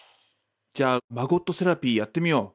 じゃあマゴットセラピーやってみよう。